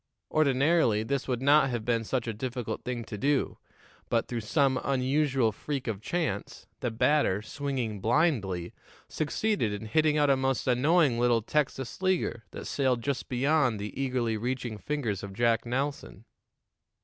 Ordinarily, this would not have been such a difficult thing to do, but, through some unusual freak of chance, the batter, swinging blindly, succeeded in hitting out a most annoying little Texas leaguer that sailed just beyond the eagerly reaching fingers of Jack Nelson.